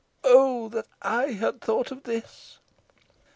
Oh! that I had thought of this."